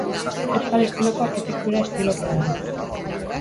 Euskal estiloko arkitektura estilokoa da.